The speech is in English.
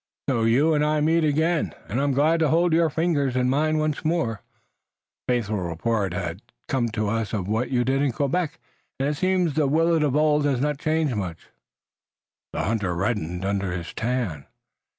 "So you and I meet again, and glad I am to hold your fingers in mine once more. A faithful report has come to us of what you did in Quebec, and it seems the Willet of old has not changed much." The hunter reddened under his tan.